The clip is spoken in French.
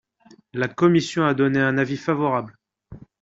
La commission a donné un avis favorable.